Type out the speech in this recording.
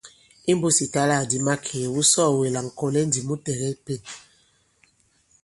Imbūs ìtalâkdi makèe , wu sɔ̀ɔ̀wene la ŋ̀kɔ̀lɛ ndī mu tɛ̀gɛs Pên.